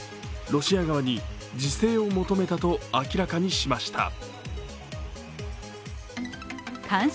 ロシア側に自制を求めたと明らかにしました。